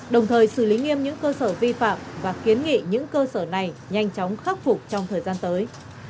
đồng thời xử lý nghiêm những cơ sở vi phạm và kiến nghị những cơ sở này nhanh chóng khắc phục trong thời gian tới